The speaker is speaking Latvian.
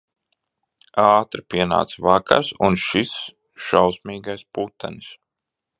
Ātri pienāca vakars un šis šausmīgais putenis.